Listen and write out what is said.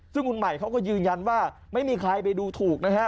ซึ่งคุณใหม่เขาก็ยืนยันว่าไม่มีใครไปดูถูกนะฮะ